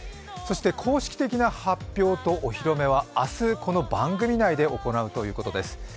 そして公式的な発表とお披露目は明日、この番組内で行うということです。